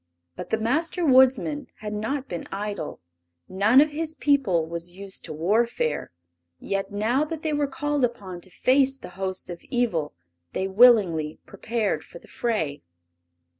But the Master Woodsman had not been idle. None of his people was used to warfare, yet now that they were called upon to face the hosts of evil they willingly prepared for the fray.